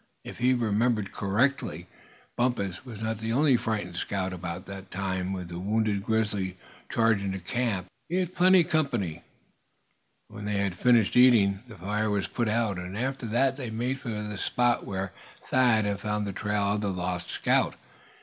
If he remembered correctly, Bumpus was not the only frightened scout about the time that wounded grizzly charged the camp. He had plenty of company. When they had finished eating, the fire was put out; and after that they made for the spot where Thad had found the trail of the lost scout.